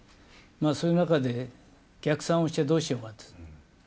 そういう中で、逆算をしてどうしようかと。